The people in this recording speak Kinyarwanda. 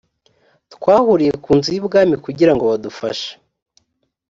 twahuriye ku nzu y’ubwami kugira ngo badufashe